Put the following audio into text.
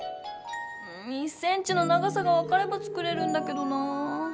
うん１ｃｍの長さがわかれば作れるんだけどなぁ。